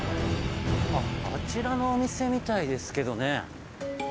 あちらのお店みたいですけどね。